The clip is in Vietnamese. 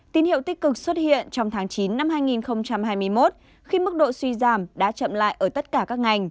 tín hiệu tích cực xuất hiện trong tháng chín năm hai nghìn hai mươi một khi mức độ suy giảm đã chậm lại ở tất cả các ngành